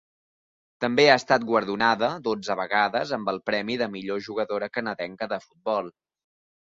També ha estat guardonada, dotze vegades, amb el premi de Millor jugadora canadenca de futbol.